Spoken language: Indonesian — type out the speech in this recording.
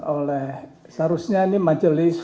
oleh seharusnya ini majelis